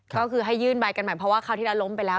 ก็คือให้ยื่นใบกันใหม่เพราะว่าคราวที่แล้วล้มไปแล้ว